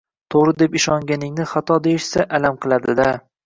Toʻgʻri deb ishonganingni xato deyishsa, alam qiladi-da